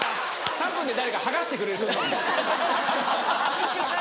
３分で誰か剥がしてくれる人が。